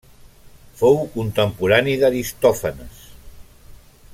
Fou contemporani d'Aristòfanes.